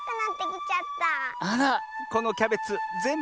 あらこのキャベツぜんぶ